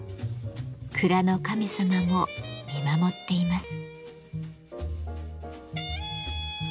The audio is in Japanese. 蔵の神様も見守っています。